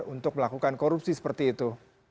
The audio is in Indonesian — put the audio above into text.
untuk melakukan korupsi seperti itu